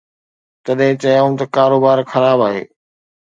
تڏهن چيائون ته ڪاروبار خراب آهي.